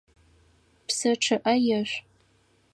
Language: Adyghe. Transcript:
Псы чъыӏэ ешъу!